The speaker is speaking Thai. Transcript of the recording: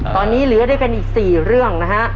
ตอนนี้เหลือได้อีก๔เรื่องฮะ